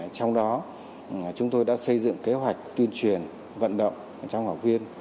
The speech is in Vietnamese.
trong đó chúng tôi đã xây dựng kế hoạch tuyên truyền vận động trong học viên